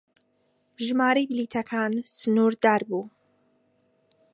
ژمارەی بلیتەکان سنوردار بوو.